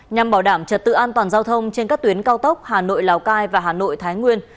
nhằm bảo đảm trật tự an toàn giao thông trên các tuyến cao tốc hà nội lào cai và hà nội thái nguyên